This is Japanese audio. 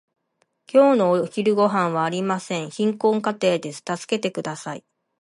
今日のお昼ごはんはありません。貧困家庭です。助けてください。